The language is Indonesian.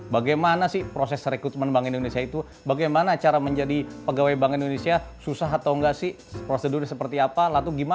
bagaimana proses rekrutmen bank indonesia